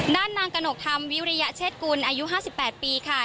ด้านนางกนกธรรมวิวระยะเชศกุลอายุห้าสิบแปดปีค่ะ